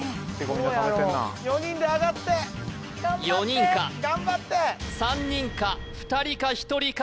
みんな４人であがって４人か３人か２人か１人か